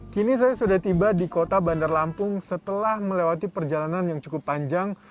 kini saya sudah tiba di kota bandar lampung setelah melewati perjalanan yang cukup panjang